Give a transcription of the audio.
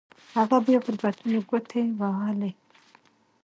هغه بيا پر بټنو گوټې ووهلې.